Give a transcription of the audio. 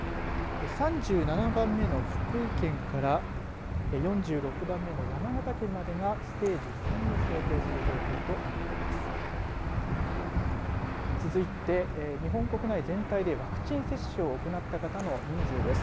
３７番目の福井県から４６番目の山形県までがステージ３に相当する状況となっています。